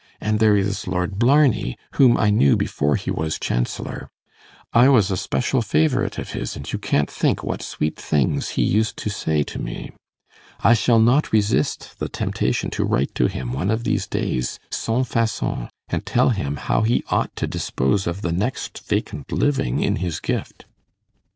And there is Lord Blarney, whom I knew before he was chancellor. I was a special favourite of his, and you can't think what sweet things he used to say to me. I shall not resist the temptation to write to him one of these days sans façon, and tell him how he ought to dispose of the next vacant living in his gift.